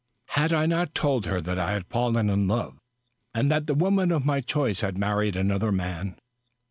Had I not told her that I had fallen in love, and that the woman of my choice had married another man